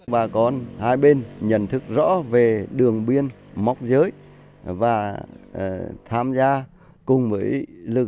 bà con hai bên nhận thức rõ về đường biên móc giới và tham gia cùng với lực lượng